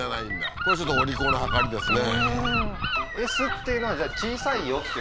これちょっとお利口なはかりですね